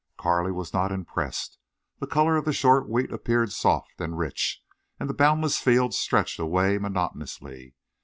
Carley was not impressed. The color of the short wheat appeared soft and rich, and the boundless fields stretched away monotonously.